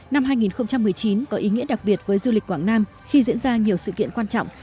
năm hai nghìn một mươi chín có ý nghĩa đặc biệt với du lịch quảng nam khi diễn ra nhiều sự kiện quan trọng